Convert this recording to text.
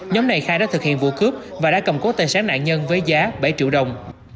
nhóm này khai đã thực hiện vụ cướp và đã cầm cố tài sản nạn nhân với giá bảy triệu đồng